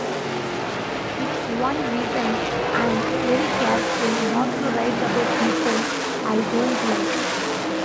It's one reason I'm very careful not to write about people I don't like.